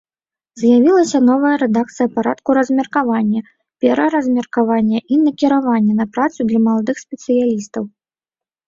З'явілася новая рэдакцыя парадку размеркавання, пераразмеркавання і накіравання на працу для маладых спецыялістаў.